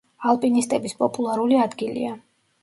ალპინისტების პოპულარული ადგილია.